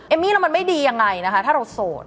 มี่แล้วมันไม่ดียังไงนะคะถ้าเราโสด